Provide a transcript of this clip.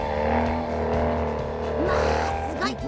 まあすごい！